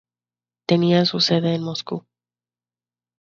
Tenía su sede en Moscú.